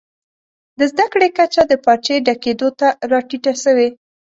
د زده کړي کچه د پارچې ډکېدو ته راټیټه سوې.